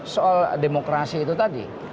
soal demokrasi itu tadi